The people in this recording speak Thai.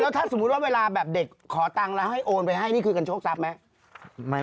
ถ้าสมมุติว่าเวลาแบบเด็กขอตังค์แล้วให้โอนไปให้นี่คือกันโชคทรัพย์ไหม